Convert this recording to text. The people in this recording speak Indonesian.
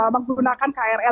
menggunakan krl yang berhasil